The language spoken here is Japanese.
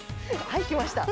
はい来ました。